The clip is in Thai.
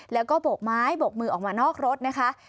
แล้วก็โบกไม้โบกมือออกมานอกรถนะคะ